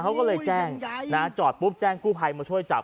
เขาก็เลยแจ้งนะจอดปุ๊บแจ้งกู้ภัยมาช่วยจับ